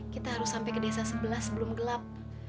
kita harus sampai ke desa sebelah sebelum gelap